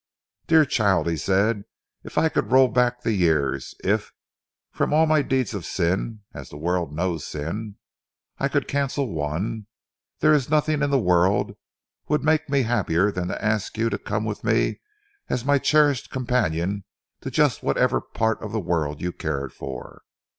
"Dear child," he said, "if I could roll back the years, if from all my deeds of sin, as the world knows sin, I could cancel one, there is nothing in the world would make me happier than to ask you to come with me as my cherished companion to just whatever part of the world you cared for.